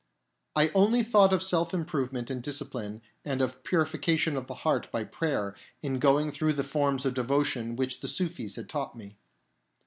I only thought of self improvement and discipline and of purification of the heart by prayer in going through the forms of devotion which the Sufis had taught me.